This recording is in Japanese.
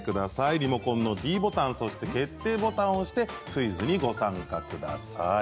リモコンのｄボタンそして決定ボタンを押してクイズにご参加ください。